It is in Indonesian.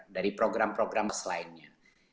dari program program selainnya